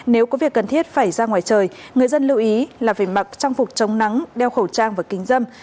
nếu có việc cần thiết phải ra ngoài trời người dân lưu ý là phải mặc trang phục chống nắng đeo khẩu trang và kính dâm